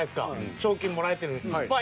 賞金もらえて。